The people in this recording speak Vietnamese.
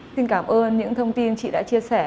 xin cảm ơn những thông tin chị đã chia sẻ